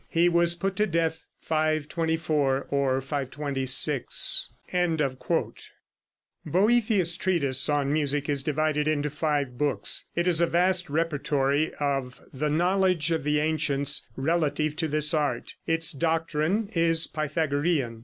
He was put to death 524 or 526." Boethius' treatise on music is divided into five books. It is a vast repertory of the knowledge of the ancients relative to this art. Its doctrine is Pythagorean.